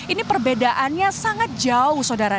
ini perbedaannya sangat jauh saudara